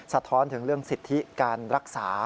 สะท้อนถึงเรื่องสิทธิการรักษา